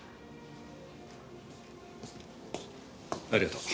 ありがとう。